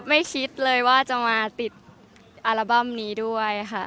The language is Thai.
ไม่คิดเลยว่าจะมาติดอัลบั้มนี้ด้วยค่ะ